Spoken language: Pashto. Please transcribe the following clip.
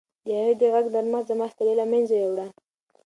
د هغې د غږ نرمښت زما ستړیا له منځه یووړه.